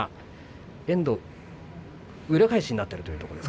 遠藤は裏返しになっています。